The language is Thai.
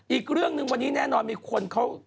อีกเรื่องหนึ่งวันนี้แน่นอนมีคนเขา